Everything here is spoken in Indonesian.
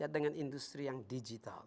dengan industri yang digital